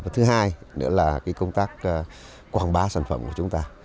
thứ hai nữa là công tác quảng bá sản phẩm của chúng ta